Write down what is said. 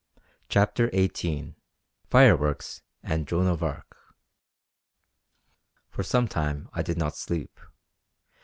CHAPTER XVIII FIREWORKS AND JOAN OF ARC For some time I did not sleep.